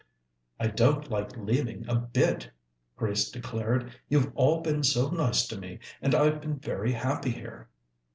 "I don't like leaving a bit," Grace declared; "you've all been so nice to me, and I've been very happy here."